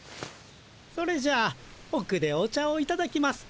それじゃおくでお茶をいただきますか。